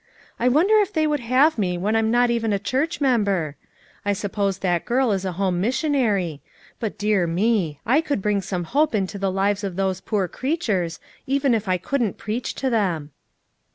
I wonder if they would have me when I'm not even a church member, I suppose that girl is a home mis sionary. But dear me! I could bring some hope into the lives of those poor creatures, even if I couldn't preach to them."